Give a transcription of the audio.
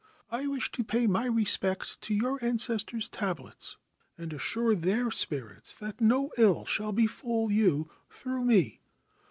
I wish to pay my respects to your ancestors' tablets and assure their spirits that no ill shall befall you through me.